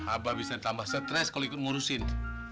abah bisa tambah stres kalau ikut ngurusin